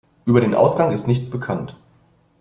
Über den Ausgang ist nichts bekannt.